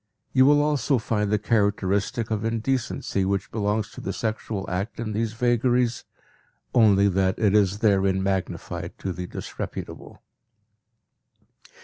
You will also find the characteristic of indecency which belongs to the sexual act in these vagaries, only that it is therein magnified to the disreputable.